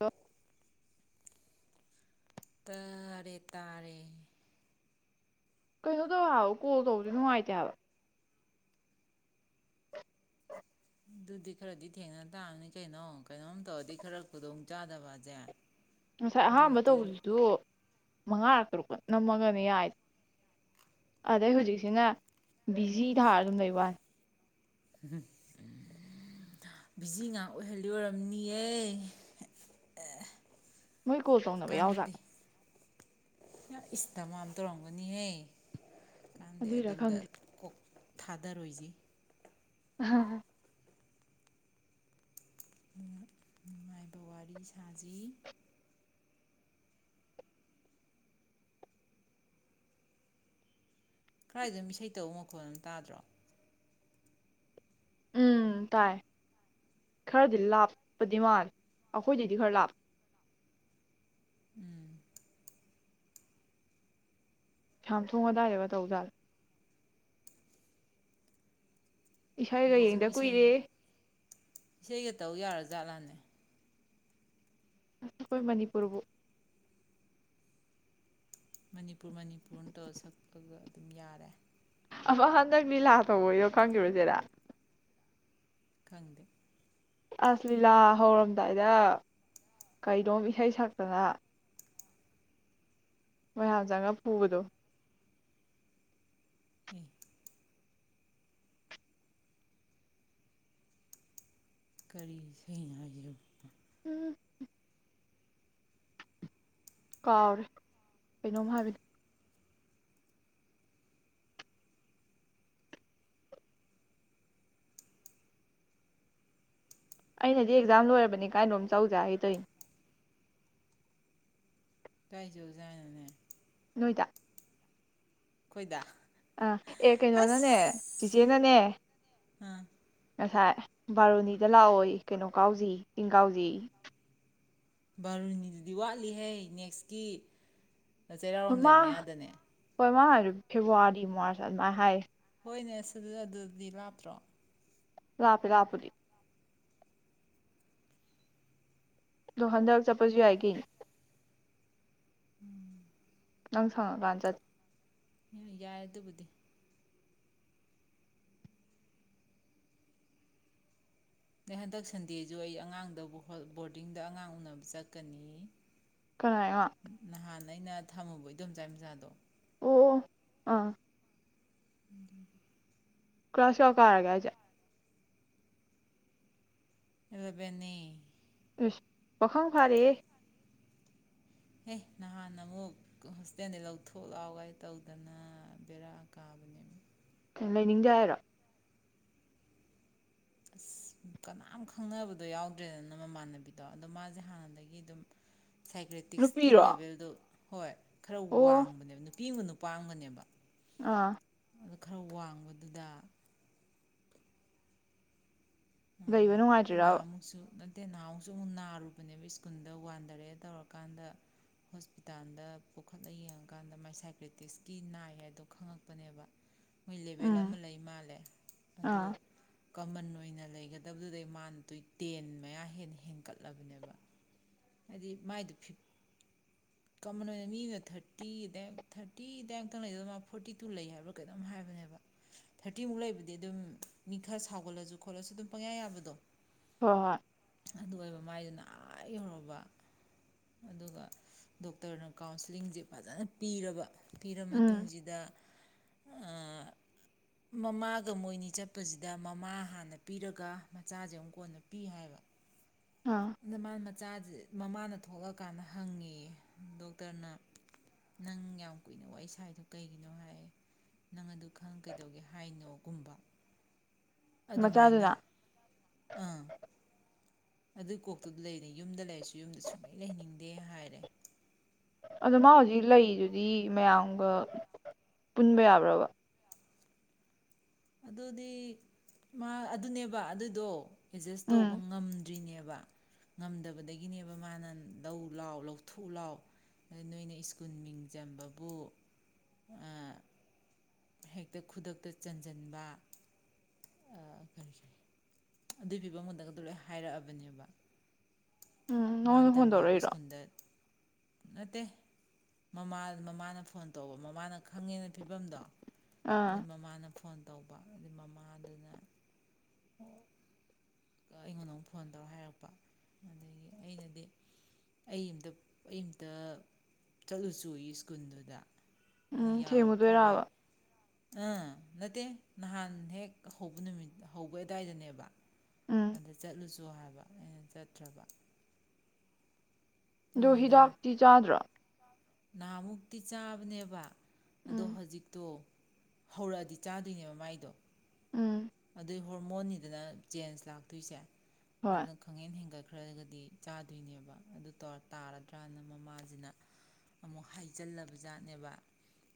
ꯍ ꯇꯔꯦ ꯇꯥꯔꯦ ꯀꯩꯅꯣ ꯇꯧ ꯍꯥꯏꯕꯣ ꯀꯣꯜ ꯇꯧꯕꯗꯤ ꯅꯨꯡꯉꯥꯏꯇꯦ ꯍꯥꯏꯕ ꯑꯗꯨꯗꯤ ꯈꯔꯗꯤ ꯊꯦꯡꯅ ꯇꯥꯕꯅꯤ ꯀꯩꯅꯣ ꯀꯩꯅꯣꯝ ꯇꯧꯔꯗꯤ ꯈꯔ ꯈꯨꯗꯣꯡꯆꯥꯥꯗꯕꯁꯦ ꯉꯁꯥꯏ ꯑꯍꯥꯟꯕ ꯇꯧꯕꯗꯨꯁꯨ ꯃꯉꯥꯔ ꯇꯔꯨꯛꯛꯇ ꯅꯝꯃꯒꯅꯦ ꯌꯥꯏ ꯑꯗꯩ ꯍꯧꯖꯤꯛꯁꯤꯅꯦ ꯕꯤꯖꯤ ꯊꯥꯔ ꯑꯗꯨꯝ ꯂꯩꯕꯅꯤ ꯕꯤꯖꯤ ꯉꯍꯥꯛ ꯑꯣꯏꯍꯜꯂꯤ ꯑꯣꯏꯔꯝꯅꯤꯌꯦ ꯃꯣꯏ ꯀꯣꯁꯧꯅꯕꯚꯩ ꯌꯥꯎꯖꯥꯛ ꯏꯁꯇꯃꯝ ꯇꯧꯔꯝꯒꯅꯤꯍꯦ ꯀꯥꯟꯗꯤ ꯑꯗꯨꯏꯔꯥ ꯑꯗꯨꯝꯗ ꯈꯪꯗꯦ ꯀꯣꯛ ꯊꯥꯗꯔꯣꯏꯁꯤ ꯍ ꯅꯨꯡꯉꯥꯏꯕ ꯋꯥꯔꯤ ꯁꯥꯖꯩ ꯀꯔꯏꯗꯣ ꯏꯁꯩ ꯇꯧꯕ ꯃꯈꯣꯠꯅꯝ ꯇꯥꯗ꯭ꯔꯣ ꯎꯝ ꯇꯥꯏ ꯈꯔꯗꯤ ꯂꯥꯞꯄꯗꯤ ꯃꯥꯥꯟ ꯑꯩꯈꯣꯏꯗꯗꯤ ꯈꯔ ꯂꯥꯞ ꯎꯝ ꯁꯝ ꯊꯣꯡꯉꯗꯥꯏꯔꯦꯕ ꯇꯧꯖꯥꯠꯂ ꯍꯧꯖꯤꯛꯁꯤꯕꯨ ꯏꯁꯩꯥꯒꯌꯦꯡꯗ ꯏꯁꯩ ꯀꯨꯏꯔꯦ ꯏꯁꯩꯒ ꯇꯧ ꯌꯥꯔꯖꯥꯠꯂꯥꯅꯦ ꯑꯁ ꯀꯣꯏ ꯃꯅꯤꯄꯨꯔꯕꯨ ꯃꯅꯤꯄꯨꯔ ꯄ ꯃꯅꯤꯄꯨꯔ ꯇꯧ ꯁꯛꯂ ꯎꯝ ꯌꯥꯥꯔꯦ ꯑꯃ ꯍꯟꯗꯛ ꯂꯤꯂꯥ ꯇꯧꯕꯩꯗꯣ ꯈꯪꯉꯤꯕꯣ ꯆꯦ ꯅꯪ ꯈꯪꯗꯦ ꯑꯁ ꯂꯤꯂꯥ ꯍꯧꯔꯝꯗꯥꯏꯗ ꯀꯩꯅꯣꯝ ꯏꯁꯩ ꯁꯛꯇꯅ ꯃꯌꯥꯝ ꯆꯪꯉꯒ ꯐꯨꯕꯗꯣ ꯏ ꯀꯔꯤ ꯏꯁꯩꯅꯣ ꯍꯥꯏꯁꯤꯕꯣ ꯎꯝ ꯀꯥꯎꯔꯦ ꯀꯩꯅꯣꯝ ꯍꯥꯏꯕꯅꯤ ꯑꯩꯅꯗꯤ ꯑꯦꯛꯖꯥꯝ ꯂꯣꯏꯔꯕꯅꯤ ꯀꯥꯏꯅꯣꯝ ꯆꯧꯖꯦ ꯍꯥꯏꯒꯦ ꯇꯧꯔꯤꯅꯦ ꯀꯥꯏ ꯆꯧꯖꯦ ꯍꯥꯏꯅꯣꯅꯦ ꯅꯣꯏꯗ ꯈꯣꯏꯗ ꯑꯥ ꯑꯦ ꯀꯩꯅꯣꯅꯅꯦ ꯆꯤꯆꯦꯅꯅꯦ ꯑꯝ ꯉꯁꯥꯏ ꯕꯥꯔꯣꯅꯤꯗ ꯂꯥꯛꯑꯣꯏ ꯀꯩꯅꯣ ꯀꯥꯎꯁꯤ ꯆꯤꯡ ꯀꯥꯎꯁꯤ ꯕꯥꯔꯣꯅꯤꯗꯨꯗꯤ ꯋꯥꯠꯂꯤꯍꯩ ꯅꯦꯛꯁꯀꯤ ꯅ ꯆꯩꯔꯥꯎꯔꯣꯝꯗꯥꯏ ꯃꯌꯥꯗꯅꯦ ꯀꯩꯅꯣ ꯃꯥ ꯍꯥꯏꯕꯗꯨꯕꯨ ꯐꯦꯕꯋꯥꯔꯤ ꯃꯥꯔꯆ ꯑꯗꯨꯃꯥꯏꯅ ꯍꯥꯏꯌꯦ ꯍꯣꯏꯅꯦ ꯁꯤ ꯑꯗꯨꯗꯤ ꯂꯥꯞꯇ꯭ꯔꯣ ꯂꯥꯞꯄꯦ ꯂꯥꯞꯄꯨꯗꯤ ꯗꯣ ꯍꯥꯟꯗꯛ ꯆꯠꯄꯁꯨ ꯌꯥꯏꯒ ꯎꯝ ꯅꯪ ꯁꯪꯉꯀꯥꯟ ꯌꯥꯏ ꯑꯗꯨꯕꯨꯗꯤ ꯅ ꯍꯟꯗꯛ ꯁꯟꯗꯦꯖꯨ ꯑꯩ ꯑꯉꯥꯡꯗꯕꯨ ꯕꯣꯔꯗꯤꯡꯗ ꯑꯉꯥꯡ ꯎꯅꯕ ꯆꯠꯀꯅꯤ ꯀꯅꯥꯏꯉꯣ ꯑꯣ ꯅꯍꯥꯟ ꯑꯩꯅ ꯊꯝꯃꯨꯕ ꯏꯟꯗꯣꯆꯥꯏ ꯃꯆꯥꯗꯣ ꯑꯣ ꯑꯥ ꯎꯝ ꯀ꯭ꯂꯥꯁ ꯀꯌꯥ ꯀꯥꯔꯒꯦ ꯍꯥꯢꯁꯦ ꯢꯂꯕꯦꯟꯅꯦꯌꯦ ꯄꯥꯈꯪ ꯐꯥꯔꯦ ꯑꯦ ꯅꯍꯥꯟ ꯑꯃꯨꯛ ꯍꯣꯁꯇꯦꯜꯗꯒꯤ ꯂꯧꯊꯣꯛ ꯂꯥꯎ ꯒꯥꯏ ꯇꯧꯗꯅ ꯕꯦꯔꯥ ꯀꯥꯕꯅꯦ ꯂꯩꯅꯤꯡꯗꯦ ꯍꯥꯏꯔꯣ ꯑꯁ ꯀꯅꯥꯝ ꯈꯪꯅꯕꯗꯣ ꯌꯥꯎꯗ꯭ꯔꯦꯗꯅ ꯃꯃꯥꯟꯅꯕꯤꯗꯣ ꯑꯗꯣ ꯃꯥꯁꯦ ꯍꯥꯟꯅꯗꯒꯤ ꯑꯗꯨꯝ ꯁꯥꯏꯀ꯭ꯔꯦꯇꯤꯛꯁꯀꯤ ꯅꯨꯄꯤꯔꯣ ꯑꯣ ꯂꯦꯚꯦꯜꯗꯨ ꯍꯣꯏ ꯈꯔ ꯋꯥꯡꯕꯅꯦꯕ ꯅꯨꯄꯤ ꯑꯃꯒ ꯅꯨ ꯅꯨꯄꯥꯝꯒꯅꯦꯕ ꯑꯥ ꯑꯗꯨ ꯈꯔ ꯋꯥꯡꯕꯗꯨꯗ ꯂꯩꯕ ꯅꯨꯡꯉꯥꯏꯇ꯭ꯣꯏꯔꯕ ꯇꯦ ꯅꯍꯥꯃꯨꯛꯁꯨ ꯑꯃꯨꯛ ꯅꯥꯔꯨꯕꯅꯦꯕ ꯁ꯭ꯀꯨꯜꯗ ꯋꯥꯟꯊꯔꯦ ꯇꯧꯔꯀꯥꯟꯗ ꯍꯣꯁꯄꯤꯇꯥꯜꯗ ꯄꯨꯈꯠꯂ ꯌꯦꯡꯉꯀꯥꯟꯗ ꯃꯥꯏ ꯁꯥꯏꯀ꯭ꯔꯦꯇꯤꯁꯀꯤ ꯅꯥꯏ ꯍꯥꯏꯗꯣ ꯈꯪꯉꯛꯄꯅꯦꯕ ꯃꯣꯏ ꯂꯦꯕꯦꯜ ꯎꯝ ꯑꯃ ꯂꯩ ꯃꯥꯜꯂꯦ ꯑꯗꯨ ꯑꯥ ꯀꯃꯟ ꯑꯣꯏꯅ ꯂꯩ ꯍꯒꯗꯕꯗꯨꯗꯩ ꯃꯥꯅ ꯇ ꯇꯦꯟ ꯃꯌꯥ ꯍꯦꯟꯅ ꯍꯦꯟꯀꯠꯂꯕꯅꯦꯕ ꯍꯥꯏꯗꯤ ꯃꯥꯏꯗ ꯐꯤ ꯀꯃꯟ ꯑꯣꯏꯅ ꯃꯤꯅ ꯊꯥꯔꯇꯤꯗꯥ ꯊꯥꯔꯇꯤꯗꯥꯏꯃꯨꯛꯇꯪ ꯂꯩꯗꯗ ꯃꯥ ꯐꯣꯔꯇꯤ ꯇꯨ ꯂꯩ ꯍꯥꯏꯕ꯭ꯔꯥ ꯀꯩꯅꯇꯣꯝ ꯍꯥꯏꯕꯅꯦꯕ ꯊꯥꯔꯇꯤꯃꯨꯛ ꯂꯩꯕꯗꯤ ꯑꯗꯨꯝ ꯃꯤ ꯈꯔ ꯁꯥꯎꯒꯠꯂꯁꯨ ꯈꯣꯠꯂꯁꯨ ꯑꯗꯨꯝ ꯄꯪꯌꯥ ꯌꯥꯕꯗꯣ ꯍꯣꯏ ꯍꯣꯏ ꯑꯗꯨ ꯑꯣꯏꯕ ꯃꯥꯏꯗꯨꯅ ꯑ ꯌꯧꯔꯕ ꯑꯗꯨꯒ ꯗꯣꯛꯇꯔꯅ ꯀꯥꯎꯟꯁꯤꯂꯤꯡꯁꯦ ꯐꯖꯅ ꯄꯤꯔꯕ ꯄꯤꯔꯕ ꯎꯝ ꯃꯇꯨꯡꯁꯤꯗ ꯃꯃꯥꯒ ꯃꯣꯏꯅꯤ ꯆꯠꯄꯁꯤꯗ ꯃꯃꯥ ꯍꯥꯟꯅ ꯄꯤꯔꯒ ꯃꯆꯥꯁꯦ ꯑꯃꯨꯛ ꯀꯣꯟꯅ ꯄꯤ ꯍꯥꯏꯕ ꯑꯥ ꯏ ꯃꯥ ꯃꯆꯥꯁꯦ ꯃꯃꯥꯅ ꯊꯣꯛꯂꯛꯀꯥꯟꯗ ꯍꯪꯉꯦ ꯗꯣꯛꯇꯔꯅ ꯅꯪ ꯌꯥꯝ ꯀꯨꯏꯅ ꯋꯥꯔꯤ ꯏꯁꯥꯏꯗꯣ ꯀꯩꯒꯤꯅꯣ ꯍꯥꯏ ꯅꯪ ꯑꯗꯨ ꯈꯪ ꯀꯩꯗꯧꯒꯦ ꯍꯥꯏꯅꯣꯒꯨꯝꯕ ꯑꯗꯨꯃꯥꯏꯅ ꯃꯆꯥꯗꯨꯅ ꯑꯥ ꯑꯗꯨꯏ ꯀꯣꯛꯇꯨꯗ ꯂꯩꯔ ꯌꯨꯝꯗ ꯂꯩꯔꯁꯨ ꯌꯨꯝꯗ ꯁꯨꯡꯂꯩ ꯂꯩꯅꯤꯡꯗꯦ ꯍꯥꯏꯔꯦ ꯑꯗꯣ ꯃꯥ ꯍꯧꯖꯤꯛ ꯂꯩꯗꯨꯗꯤ ꯃꯌꯥꯝꯒ ꯄꯨꯟꯕ ꯌꯥꯕ꯭ꯔꯕ ꯑꯗꯨꯗꯤ ꯃꯥ ꯑꯗꯨꯅꯦꯕ ꯑꯗꯨꯏꯗꯣ ꯑꯦꯗꯖꯁ ꯇꯧꯕ ꯎꯝ ꯉꯝꯗ꯭ꯔꯤꯅꯦꯕ ꯉꯝꯗꯕꯗꯒꯤꯅꯦꯕ ꯃꯥꯅ ꯂꯧ ꯂꯥꯎ ꯂꯧꯊꯣꯛ ꯂꯥꯎ ꯑꯗ ꯅꯣꯏꯅ ꯁ꯭ꯀꯨꯜ ꯃꯤꯡ ꯆꯝꯕꯕꯨ ꯍꯦꯛꯇ ꯈꯨꯗꯛꯇ ꯆꯟꯁꯤꯟꯕ ꯑ ꯐꯔ ꯑꯗꯨꯒꯤ ꯐꯤꯕꯝ ꯑꯃꯗ ꯂꯣꯏ ꯍꯥꯏꯔꯛꯑꯕꯅꯦꯕ ꯎꯝ ꯃꯥꯅ ꯅꯪꯉꯣꯟꯗ ꯐꯣꯟ ꯇꯝꯒꯦ ꯍꯥꯏꯕ ꯇꯧꯔꯛꯏꯔꯣ ꯁ꯭ꯀꯨꯜꯗ ꯅꯠꯇꯦ ꯃꯃꯥꯅ ꯐꯣꯟ ꯇꯧꯕ ꯃꯃꯥꯅ ꯈꯪꯉꯦꯅ ꯐꯤꯕꯝꯗꯣ ꯑꯥ ꯑꯗꯨꯗꯩ ꯃꯃꯥꯅ ꯐꯣꯟ ꯇꯧꯕ ꯑꯗꯨꯗꯩ ꯃꯃꯥꯗꯨꯅ ꯑꯩꯉꯣꯟꯗ ꯑꯃꯨꯛ ꯐꯣꯟ ꯇꯧꯔ ꯍꯥꯏꯔꯛꯄ ꯑꯗꯒꯤ ꯑꯩꯅꯗꯤ ꯑꯩ ꯑ ꯑꯩ ꯑꯃꯇ ꯆꯠꯂꯨ ꯆꯣꯌꯦ ꯁ꯭ꯀꯨꯜꯗꯨꯗ ꯑꯩꯅ ꯎꯝ ꯌꯥꯔꯣꯏ ꯈꯣꯠꯂꯣꯏ ꯊꯤꯔꯨꯗꯣꯏꯔꯕ ꯑꯥ ꯅꯠꯇꯦ ꯅꯍꯥꯟ ꯍꯦꯛ ꯍꯧꯕ ꯅꯨꯃꯤꯠ ꯍꯧꯕ ꯑꯗꯨꯋꯥꯏꯗꯅꯦꯕ ꯎꯝ ꯑꯗ ꯆꯠꯂꯨꯁꯨ ꯁꯨ ꯍꯥꯏꯕ ꯑꯩꯅ ꯆꯠꯇ꯭ꯔꯕ ꯑꯗꯣ ꯍꯤꯗꯥꯛꯇꯤ ꯆꯥꯗ꯭ꯔꯥ ꯅꯍꯥꯃꯨꯛꯇꯤ ꯆꯥꯕꯅꯦꯕ ꯑꯗꯣ ꯎꯝ ꯍꯧꯖꯤꯛꯇꯣ ꯍꯧꯔꯛꯑꯗꯤ ꯆꯥꯗꯣꯏꯅꯦꯕ ꯃꯥꯏꯗꯣ ꯎꯝ ꯑꯗꯨꯗꯩ ꯍꯣꯔꯃꯣꯟꯅꯤꯗꯅ ꯆꯦꯟꯖ ꯂꯥꯛꯇꯣꯏꯁꯦ ꯍꯣꯏ ꯑꯗꯨꯗ ꯈꯪꯍꯦꯟ ꯍꯦꯟꯒꯠꯄꯥ ꯈꯔꯒꯗꯤ ꯆꯥꯗꯣꯏꯅꯦꯕ ꯑꯗꯨ ꯇꯥꯔꯗ꯭ꯔꯅ ꯃꯃꯥꯁꯤꯅ ꯑꯃꯨꯛ ꯍꯥꯏꯖꯤꯜꯂꯕ ꯖꯥꯠꯅꯦꯕ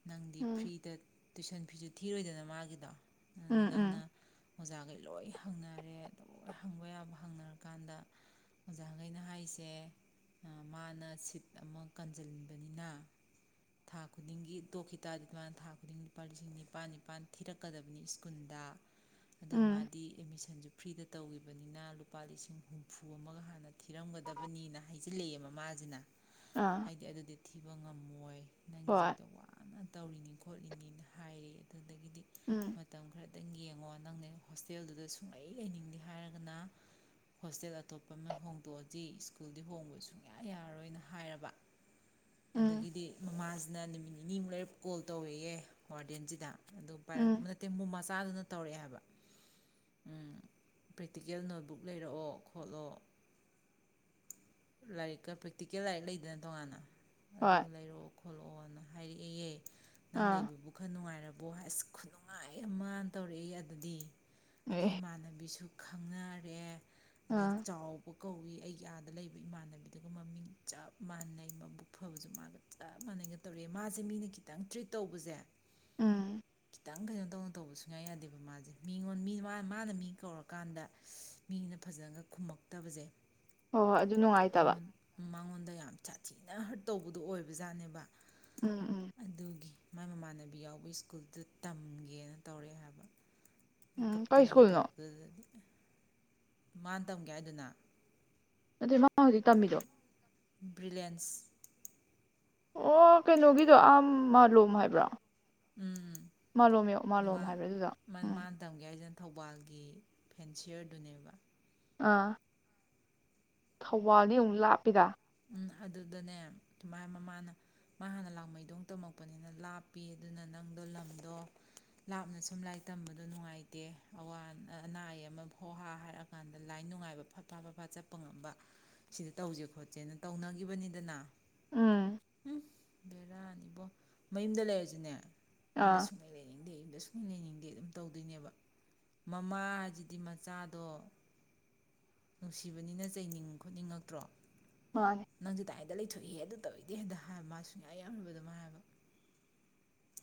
ꯅꯪꯗꯤ ꯎꯝ ꯐ꯭ꯔꯤꯗ ꯇꯨꯏꯁꯟ ꯐꯤꯁꯨ ꯊꯤꯔꯣꯏꯗꯅ ꯃꯥꯒꯤꯗꯣ ꯎꯝ ꯅꯪꯅ ꯎꯝ ꯑꯣꯖꯥ ꯈꯩ ꯂꯣꯏ ꯍꯪꯅꯔꯦ ꯂꯣꯏ ꯍꯪꯕ ꯌꯥꯕ ꯍꯪꯅꯔꯀꯥꯟꯗ ꯑꯣꯖꯥ ꯈꯩꯅ ꯍꯥꯏꯁꯦ ꯃꯥꯅ ꯁꯤꯠ ꯑꯃ ꯀꯟꯁꯤꯟꯕꯅꯤꯅ ꯊꯥ ꯈꯨꯗꯤꯡꯒꯤ ꯇꯣꯛꯈꯤ ꯇꯥꯔꯗꯤ ꯃꯥꯅ ꯊꯥ ꯈꯨꯗꯤꯡ ꯂꯨꯄꯥ ꯂꯤꯁꯤꯡ ꯅꯤꯄꯥꯜ ꯅꯤꯄꯥꯜ ꯊꯤꯔꯛꯀꯗꯕꯅꯤ ꯁ꯭ꯀꯨꯜꯗ ꯑꯗꯨꯒ ꯎꯝ ꯃꯥꯗꯤ ꯑꯦꯠꯃꯤꯁꯟꯁꯨ ꯐ꯭ꯔꯤꯗ ꯇꯧꯈꯤꯕꯅꯤꯅ ꯂꯨꯄꯥ ꯂꯤꯁꯤꯡ ꯍꯨꯝꯐꯨ ꯑꯃꯒ ꯍꯥꯟꯅ ꯊꯤꯔꯝꯒꯗꯕꯅꯤꯅ ꯍꯥꯏꯖꯤꯜꯂꯛꯑꯦ ꯃꯃꯥꯁꯤꯅ ꯑꯥ ꯍꯥꯏꯗꯤ ꯑꯗꯨꯗꯤ ꯊꯤꯕ ꯉꯝꯃꯣꯏ ꯍꯣꯏ ꯅꯪꯖꯕꯧꯗ ꯋꯥꯅ ꯇꯧꯔꯤꯅꯤ ꯈꯣꯠꯂꯤꯅꯤꯅ ꯍꯥꯏꯌꯦ ꯑꯗꯨꯅ ꯑꯗꯒꯤꯗꯤ ꯎꯝ ꯃꯇꯝ ꯈꯔ ꯌꯦꯡꯉꯣ ꯅꯪꯅꯦ ꯍꯣꯁꯇꯦꯜꯗꯨꯗ ꯁꯨꯡꯂꯩ ꯂꯩꯅꯤꯡꯗꯦ ꯍꯥꯏꯔꯒꯅ ꯍꯣꯁꯇꯦꯜ ꯑꯇꯣꯞꯄ ꯑꯃ ꯍꯣꯡꯗꯣꯛꯑꯁꯤ ꯁ꯭ꯀꯨꯜꯗꯤ ꯍꯣꯡꯕ ꯁꯨꯡꯌꯥ ꯌꯥꯔꯔꯣꯏꯅ ꯍꯥꯏꯔꯕ ꯎꯝ ꯑꯗꯒꯤꯗꯤ ꯃꯃꯥ ꯑꯗꯨꯅ ꯅꯨꯃꯤꯠ ꯅꯤꯅꯤꯃꯨꯛ ꯂꯩꯔꯒꯥ ꯀꯣꯜ ꯇꯧꯔꯦꯌꯦ ꯋꯥꯔꯗꯦꯟꯁꯤꯗ ꯑꯗꯨꯝ ꯄꯥꯏꯔꯛ ꯎꯝ ꯅꯠꯇꯦ ꯃꯨꯃꯥ ꯆꯥꯗꯨꯅ ꯇꯧꯔꯛꯑꯦ ꯍꯥꯏꯕ ꯎꯝ ꯄ꯭ꯔꯦꯛꯇꯤꯀꯦꯜ ꯅꯣꯠꯕꯨꯛ ꯂꯩꯔꯛꯑꯣ ꯈꯣꯠꯂꯣ ꯂꯥꯏꯔꯤꯛꯀ ꯄ꯭ꯔꯦꯛꯇꯤꯀꯦꯜ ꯂꯥꯏꯔꯤꯛ ꯂꯩꯗꯅ ꯇꯣꯉꯥꯟꯅ ꯍꯣꯏ ꯑꯗꯨꯒ ꯂꯩꯔꯛꯑꯣ ꯐꫭꯂꫭꯑꯥꯅ ꯍꯥꯏꯔꯛꯑꯦꯌꯦꯦ ꯅꯪ ꯑꯥ ꯂꯩꯕꯕꯨ ꯈꯔ ꯅꯨꯡꯉꯥꯏꯔ ꯑꯁ ꯈꯨꯅꯨꯡꯉꯥꯏ ꯑꯃ ꯇꯧꯔꯛꯏ ꯑꯗꯨꯗꯤ ꯑꯗꯨ ꯑꯦ ꯏꯃꯥꯟꯅꯕꯤꯁꯨ ꯈꯪꯅꯔꯦ ꯑꯗꯒꯤ ꯑꯥ ꯆꯥꯎꯕ ꯀꯧꯏ ꯑꯩꯒꯤ ꯑꯥꯗ ꯂꯩꯕ ꯏꯃꯥꯟꯅꯕꯤꯗꯨꯒ ꯃꯃꯤꯡ ꯆꯞ ꯃꯥꯟꯅꯩ ꯃꯕꯨꯛ ꯑꯐꯕꯁꯨ ꯃꯥꯒ ꯆꯞ ꯃꯥꯟꯅꯩꯅꯒ ꯇꯧꯔꯛꯑꯦ ꯃꯥꯁꯦ ꯃꯤꯅ ꯈꯤꯇꯪ ꯇ꯭ꯔꯤꯠ ꯇꯧꯕꯖꯦ ꯑꯝ ꯈꯤꯇꯪ ꯀꯩꯅꫭ ꯇꯧꯅ ꯇꯧꯕ ꯁꯨꯡꯌꯥ ꯌꯥꯗꯦꯕ ꯃꯥꯖꯦ ꯃꯤꯉꯣꯟ ꯃꯤ ꯃꯥ ꯃꯥꯅ ꯃꯤ ꯀꯧꯔꯀꯥꯟꯗ ꯏꯁ ꯃꯤꯅ ꯐꯖꯅꯒ ꯈꯨꯝꯃꯛꯇꯕꯖꯦ ꯍꯣꯏ ꯍꯣꯏ ꯑꯗꯨ ꯅꯨꯡꯉꯥꯏꯇꯕ ꯗ ꯌꯥꯝ ꯁꯥꯊꯤꯅ ꯍꯠ ꯇꯧꯕꯗꯨꯣ ꯑꯣꯏꯕꯖꯥꯠꯅꯦꯕ ꯎꯝ ꯎꯝ ꯑꯗꯨꯒꯤ ꯃꯥꯏ ꯃꯃꯥꯟꯅꯕꯤ ꯌꯥꯎꯕꯩ ꯁ꯭ꯀꯜꯗꯨꯗ ꯇꯝꯒꯦꯅ ꯇꯧꯔꯛꯑꯦ ꯍꯥꯏꯕ ꯎꯝ ꯀꯩ ꯀꯞꯇꯅꯒ ꯁ꯭ꯀꯨꯜꯅꯣ ꯇꯧꯔꯛꯄꯗꯨꯗꯗꯤ ꯃꯥꯅ ꯇꯝꯒꯦ ꯍꯥꯏꯗꯨꯅ ꯑꯗꯨ ꯃꯥ ꯍꯥꯎꯖꯤꯛ ꯇꯝꯃꯤꯗꫭ ꯕ꯭ꯔꯤꯂꯦꯟꯁ ꯑꯣ ꯀꯩꯅꯣꯒꯤꯗꯣ ꯑꯥ ꯃꯥꯂꯣꯝ ꯍꯥꯏꯕ꯭ꯔꯥ ꯎꯝ ꯃꯥꯂꯣꯝ ꯃꯥꯂꯣꯝ ꯃꯥ ꯍꯥꯏꯕ꯭ꯔꯥ ꯑꯗꯨꯗ ꯎꯝ ꯃꯥꯅ ꯇꯝꯒꯦ ꯍꯥꯏꯁꯤꯅ ꯊꯧꯕꯥꯜꯒꯤ ꯐꯦꯟꯁꯤꯌꯔꯗꯨꯅꯦꯕ ꯑꯥ ꯊꯧꯕꯥꯜꯗꯤ ꯑꯃꯨꯛ ꯂꯥꯞꯄꯤꯗ ꯎꯝ ꯑꯗꯨꯗꯅꯦ ꯁꯨꯃꯥꯏꯅ ꯃꯃꯥꯅ ꯃꯥ ꯍꯥꯟꯅ ꯂꯥꯡꯃꯩꯗꯣꯡ ꯇꯝꯃꯛꯄꯅꯤꯅ ꯂꯥꯞꯄꯤ ꯑꯗꯨꯅ ꯅꯪꯗꯣ ꯂꯝꯗꯣ ꯂꯥꯞꯅ ꯁꯨꯝ ꯂꯥꯏꯔꯤꯛ ꯇꯝꯕꯗꯣ ꯅꯨꯡꯉꯥꯏꯇꯦ ꯑꯋꯥ ꯑ ꯑꯅꯥ ꯑꯌꯦꯛ ꯑꯃ ꯍꫭ ꯍꯥꯥ ꯍꯥꯏꯔꯀꯥꯟꯗ ꯂꯥꯏ ꯅꯨꯡꯉꯥꯏꯕ ꯐꯠ ꯐꯥ ꯐꯠ ꯐꯥ ꯆꯠꯄ ꯉꯝꯕ ꯁꯤꯗ ꯇꯧꯖꯦ ꯈꯣꯠ ꯏꯆꯦꯅ ꯇꯧꯅꯒꯤꯕꯅꯤꯗꯅ ꯎꯝ ꯎꯋꯨꯐ ꯕꯦꯔꯥꯅꯤꯕꯣ ꯃꯌꯨꯝꯗ ꯂꯩꯔꯖꯨꯅꯦ ꯌꯨꯝꯗ ꯑꯥ ꯁꯨꯡꯂꯩ ꯂꯩꯅꯤꯡꯗꯦ ꯑ ꯁꯨꯝ ꯂꯩꯅꯤꯡꯗꯦ ꯑꯗꯨꯝ ꯇꯧꯗꯣꯏꯅꯦꯕ ꯃꯃꯥꯖꯤꯗꯤ ꯃꯆꯥꯗꯣ ꯅꯨꯡꯁꯤꯕꯅꯤꯅ ꯆꯩꯅꯤꯡ ꯈꯣꯠꯅꯤꯡꯉꯛꯇ꯭ꯔꯣ ꯃꯥꯅꯦ ꯅꯪꯖꯨ [unintelligible] ꯑꯗꯨꯗ ꯂꯩꯊꯣꯛꯑꯦꯌꯦ ꯑꯗꯨ ꯇꯧꯋꯦꯗꯤ ꯍꯦꯛꯇ ꯍꯥꯏꯕ ꯃꯥ ꯁꯨꯡꯌꯥ [unintelligible] ꯃꯥ ꯍꯥꯏꯕ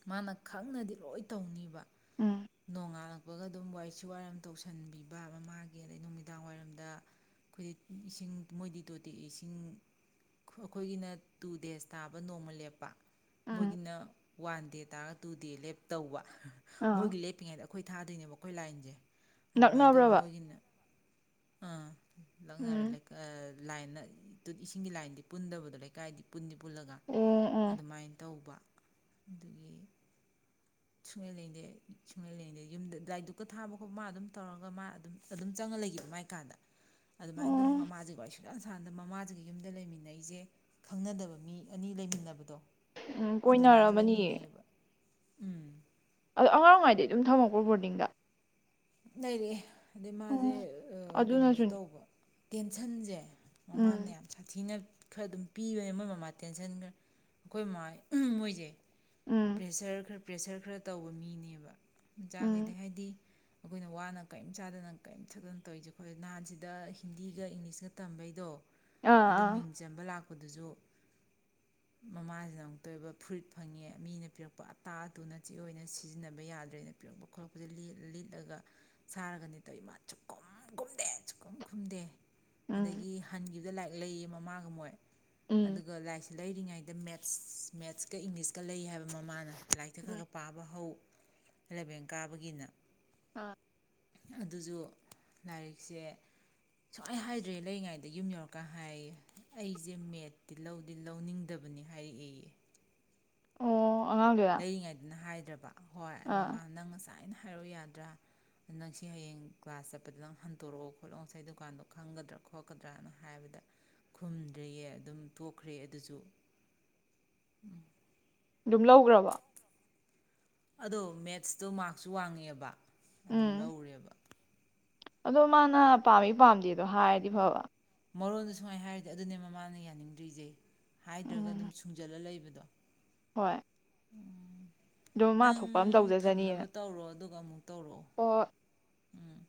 ꯃꯥꯅ ꯈꯪꯅꯗꯤ ꯂꯣꯏ ꯇꯧꯅꯤꯕ ꯎꯝ ꯅꯣꯡꯉꯥꯟꯂꯛ ꯇꯄꯒ ꯑꯗꯨꯝꯁꯨ ꯋꯥꯏꯁꯤꯠ ꯋꯥꯏꯔꯝ ꯇꯧꯁꯟꯕꯤꯕ ꯃꯃꯥꯒꯤ ꯑꯗꯩ ꯅꯨꯃꯤꯗꯥꯡ ꯋꯥꯏꯔꯝꯗ ꯑꯩꯈꯣꯏꯗꯤ ꯏꯁꯤꯡ ꯃꯣꯏꯗꯤ ꯇꯣꯇꯤ ꯏꯁꯤꯡ ꯏꯁꯤꯡ ꯑꯩꯈꯣꯏꯒꯤꯅ ꯇꯨ ꯗꯦꯖ ꯇꯥꯕ ꯅꯣꯡꯃ ꯂꯦꯞꯄ ꯎꯝ ꯃꯣꯏꯒꯤꯅꯥ ꯋꯥꯟ ꯗꯦ ꯇꯥꯔꯒ ꯇꯨ ꯗꯦ ꯂꯦꯞ ꯇꯧꯕ ꯑꯥ ꯃꯣꯏꯒꯤ ꯂꯦꯞꯄꯤꯉꯩꯗꯥꯥ ꯑꯩꯈꯣꯏ ꯊꯥꯗꯣꯏꯅꯦꯕ ꯑꯩꯈꯣꯏ ꯂꯥꯏꯟꯁꯦ ꯑꯗꯨꯃꯥꯏꯅ ꯇꯧ ꯅꯛꯅꯕ꯭ꯔꯕ ꯃꯣꯏꯒꯤꯅ ꯑꯥ ꯅꯛꯅꯔꯦ ꯎꯝ ꯂꯩꯀꯥꯏ ꯂꯥꯏꯅ ꯑꯗꯨꯗꯤ ꯏꯁꯤꯡꯒꯤ ꯂꯥꯏꯟꯗꯤ ꯄꯨꯟꯗꯕꯗꯣ ꯂꯩꯀꯥꯏꯗꯤ ꯄꯨ ꯄꯨꯜꯂꯒ ꯑꯣ ꯑꯣ ꯑꯗꯨꯃꯥꯏꯅ ꯇꯧꯕ ꯑꯗꯨꯗꯒꯤ ꯁꯨꯡꯂꯩ ꯂꯦꯡꯗꯦ ꯁꯨꯡꯂꯩ ꯂꯦꯡꯗꯦ ꯌꯨꯝꯗꯂꯥꯏ ꯙꯨꯞꯀꯥ ꯊꯔꯤꯗꯨꯨꯛꯀ ꯊꯥꯕ ꯈꯣꯠꯄ ꯃꯥ ꯑꯗꯨꯝ ꯇꯧꯔꯒ ꯃꯥ ꯑꯗꯨꯝ ꯑꯗꯨꯝ ꯆꯪꯉ ꯂꯩꯒꯦꯕ ꯃꯥꯏ ꯀꯥꯟꯗ ꯑꯗꯨꯃꯥꯏꯅ ꯑꯗꯨꯝ ꯑꯣ ꯃꯃꯥꯁꯤꯅ ꯂꯣꯏ ꯏꯁꯟꯁꯥꯟꯗ ꯃꯃꯥꯁꯤꯒ ꯌꯨꯝꯗ ꯂꯩꯃꯤꯟꯅꯩꯁꯦ ꯈꯪꯅꯗꯕ ꯃꯤ ꯑꯅꯤ ꯂꯩꯃꯤꯟꯅꯕꯗꯣ ꯎꯝ ꯑꯗꯨꯃꯥꯏꯅ ꯀꯣꯏꯅꯔꯥꯃꯅꯤꯌꯦ ꯂꯩꯃꯤꯟꯅꯩꯌꯦꯕ ꯎꯝ ꯑꯗ ꯑꯉꯥꯡ ꯑꯣꯏꯔꯤ ꯉꯥꯏꯗꯒꯤ ꯑꯗꯨꯝ ꯊꯝꯃꯛꯄꯔꯣ ꯕꯣꯔꯗꯤꯡꯗ ꯂꯩꯔꯛꯑ ꯑꯗꯩ ꯃꯥꯁꯦ ꯑꯣ ꯀꯩꯅꯣꯁꯨ ꯑꯗꯨꯅꯁꯨꯅꯤ ꯇꯧꯕ ꯇꯦꯟꯁꯟꯁꯦ ꯃꯃꯥꯅ ꯎꯝ ꯌꯥꯝ ꯁꯥꯊꯤꯅ ꯈꯔ ꯑꯗꯨꯝ ꯄꯤꯕꯅꯦ ꯃꯣꯏ ꯃꯃꯥ ꯇꯦꯟꯁꯟ ꯈꯔ ꯑꯩꯈꯣꯏ ꯃꯃꯥ ꯃꯣꯏꯁꯦ ꯎꯝ ꯄ꯭ꯔꯦꯁꯔ ꯈꯔꯥ ꯄ꯭ꯔꯦꯁꯔ ꯈꯔ ꯇꯧꯕ ꯃꯤꯅꯦꯕ ꯃꯆꯥꯈꯩꯗꯤ ꯎꯝ ꯍꯥꯏꯗꯤ ꯑꯩꯈꯣꯏꯅ ꯋꯥꯅ ꯀꯔꯤꯝ ꯆꯥꯗꯅ ꯀꯔꯤꯝ ꯊꯛꯇꯥꯅ ꯇꯧꯔꯤꯁꯦ ꯃꯣꯏꯗꯤ ꯅꯍꯥꯟꯁꯤꯗ ꯍꯤꯟꯗꯤꯒ ꯏꯪꯂꯤꯁꯀ ꯇꯝꯕꯩꯗꯣ ꯑꯥ ꯑꯗꯨ ꯑꯥ ꯃꯤꯡ ꯆꯟꯕ ꯂꯥꯛꯄ ꯑꯗꯨꯁꯨ ꯃꯃꯥꯁꯤꯅ ꯑꯃꯨꯛꯇ ꯑꯣꯏꯕ ꯐ꯭ꯔꯨꯔꯤꯠ ꯐꯪꯉꯦ ꯃꯤꯅ ꯄꯤꯔꯛꯄ ꯑꯇꯥ ꯑꯇꯨꯅ ꯆꯤ ꯑꯣꯏꯅ ꯁꯤꯖꯤꯟꯅꯕ ꯌꯥꯗ꯭ꯔꯦꯅ ꯄꯤꯔꯛꯄ ꯈꯣꯠꯂꯛꯄꯁꯦ ꯂꯤꯠ ꯂꯤꯠꯂꯒ ꯁꯥꯔꯒꯅꯤ ꯂꯤꯠꯇꯣꯏꯕ ꯁꯨꯈꯨꯝ ꯈꯨꯝꯗꯦ ꯁꯨꯛꯈꯨꯝ ꯈꯨꯝꯗꯦ ꯎꯝ ꯑꯗꯒꯤ ꯍꯟꯒꯤ ꯁꯤꯗ ꯂꯥꯏꯔꯤꯛ ꯂꯩꯌꯦ ꯃꯃꯥꯒ ꯃꯣꯏ ꯎꯝ ꯑꯗꯨꯒ ꯂ ꯂꯩꯔꯤꯉꯩꯗ ꯃꯦꯠꯁ ꯃꯦꯠꯁꯀ ꯏꯪꯂꯤꯁ ꯀꯂꯩ ꯍꯥꯏꯕ ꯃꯃꯥꯅ ꯂꯥꯏꯔꯤꯛꯇ ꯈꯔ ꯎꯝ ꯈꯔ ꯄꯥꯕ ꯍꯧ ꯂꯕꯦꯟ ꯀꯥꯕꯒꯤꯅ ꯑꯥ ꯑꯗꯨꯁꯨ ꯂꯥꯏꯔꯤꯛꯁꯦ ꯁꯨꯃꯥꯏ ꯍꯥꯏꯗ꯭ꯔꯦ ꯂꯩꯔꯤꯉꯩꯗ ꯌꯨꯝ ꯌꯧꯔꯀꯥꯟ ꯍꯥꯏꯌꯦ ꯑꯩꯁꯦ ꯃꯦꯠꯇꯤ ꯂꯧꯗꯤ ꯂꯧꯅꯤꯡꯗꯕꯅꯤ ꯍꯥꯏꯔꯛꯏꯌꯦ ꯑꯣ ꯑꯉꯥꯡꯗꯨꯔ ꯂꯩꯔꯤꯉꯩꯗꯅ ꯍꯥꯏꯗ ꯗꯕ ꯍꯣꯏ ꯑꯗꯨ ꯑꯥ ꯃꯥ ꯅꯪ ꯉꯁꯥꯏ ꯑꯩꯅ ꯍꯥꯏꯔꯛꯎ ꯌꯥꯗ꯭ꯔꯥ ꯅꯪꯁꯤ ꯍꯌꯦꯡ ꯀ꯭ꯂꯥꯁ ꯆꯠꯄꯗ ꯅꯪ ꯍꯟꯇꯣꯔꯛꯑꯣ ꯈꯣꯠꯂꯣ ꯉꯁꯥꯏ ꯗꯨꯀꯥꯟꯗꯣ ꯈꯪꯒꯗ꯭ꯔꯥ ꯈꯣꯠꯀꯗ꯭ꯔꯅ ꯍꯥꯏꯕꯗ ꯈꯨꯝꯗ꯭ꯔꯦꯌꯦ ꯑꯗꯨꯝ ꯇꯣꯛꯈ꯭ꯔꯦ ꯑꯗꯨꯁꯨ ꯎꯝ ꯑꯗꯨꯝ ꯂꯧꯈ꯭ꯔꯕ ꯑꯗꯣ ꯃꯦꯠꯁꯇꯣ ꯃꯥꯔꯛꯁꯨ ꯋꯥꯡꯉꯦꯕ ꯑꯗꯨꯝ ꯎꯝ ꯂꯧꯔꯦꯕ ꯑꯗꯣ ꯃꯥꯅ ꯄꯥꯝꯃꯤ ꯄꯥꯝꯗꯦꯗꯣ ꯍꯥꯏꯔꯗꯤ ꯐꯕ ꯃꯔꯣꯟꯗ ꯁꯨꯡꯉꯥꯏꯅ ꯍꯥꯏꯔꯗꯤ ꯑꯗꯨꯅꯦ ꯃꯃꯥꯅ ꯌꯥꯅꯤꯡꯗ꯭ꯔꯤꯁꯦ ꯍꯥꯏꯗ꯭ꯔꯒ ꯑꯗꯨꯝ ꯎꯝ ꯁꯨꯡꯖꯜꯂ ꯂꯩꯕꯅꯤ ꯗ ꯍꯣꯏ ꯑꯗꯨꯝ ꯃꯥ ꯅꯪ ꯊꯣꯛꯄ ꯊꯝꯅꯕ ꯇꯧꯔꯣ ꯑꯗꯨꯒ ꯑꯃꯨ ꯇꯧꯔ ꯑꯣ ꯎꯝ